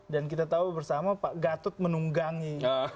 dan kita tahu bersama pak gatot menunggangi